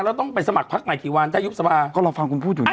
แล้วต้องไปสมัครพักใหม่กี่วันถ้ายุบสภาก็รอฟังคุณพูดอยู่นะ